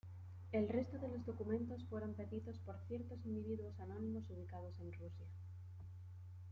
El resto de los documentos fueron pedidos por ciertos individuos anónimos ubicados en Rusia.